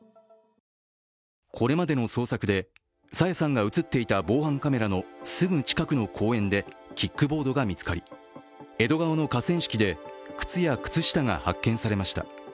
これまでの捜索で朝芽さんが映っていた防犯カメラのすぐ近くの公園でキックボードが見つかり、江戸川の河川敷で靴や靴下が発見されました。